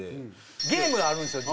ゲームがあるんですよ